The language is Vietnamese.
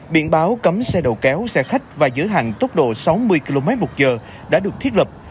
biện báo cấm xe đầu kéo xe khách và giữ hạng tốc độ sáu mươi km một giờ đã được thiết lập